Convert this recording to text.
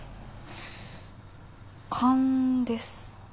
勘です。